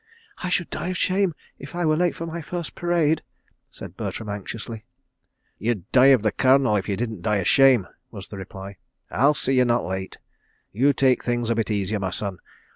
"I should die of shame if I were late for my first parade," said Bertram anxiously. "You'd die of the Colonel, if you didn't of shame," was the reply. ... "I'll see you're not late. You take things a bit easier, my son.